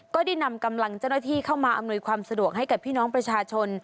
ก็ได้นำกำลังเจ้าหน้าที่เข้ามาอำนวยความสะดวกให้กับพี่น้องประชาชน